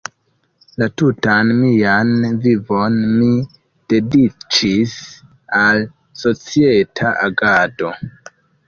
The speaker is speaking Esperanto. La tutan mian vivon mi dediĉis al societa agado.